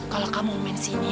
kalau kamu main sini